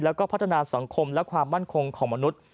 ในการสังคมและความมั่นคงของมนุษย์